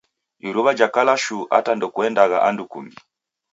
Iruw'a jakala shuu ata ndekuendagha andu kungi